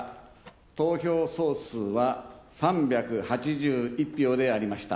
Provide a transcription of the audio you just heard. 投票総数は３８１票でありました。